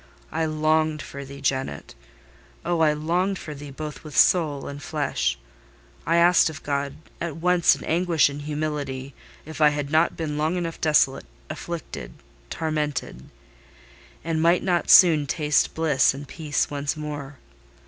I longed for thee, Janet! Oh, I longed for thee both with soul and flesh! I asked of God, at once in anguish and humility, if I had not been long enough desolate, afflicted, tormented; and might not soon taste bliss and peace once more.